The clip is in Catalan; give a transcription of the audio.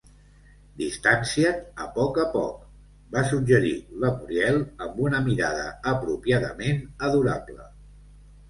"Distancia't a poc a poc", va suggerir la Muriel amb una mirada apropiadament adorable.